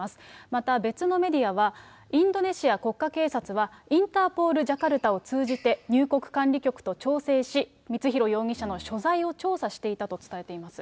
また別のメディアは、インドネシア国家警察はインターポール・ジャカルタを通じて、入国管理局と調整し、光弘容疑者の所在を調査していたと伝えています。